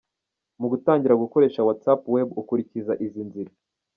Mu gutangira gukoresha WhatsApp Web ukurikiza izi nzira:.